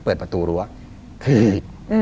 เปิดประตูรั้วพี่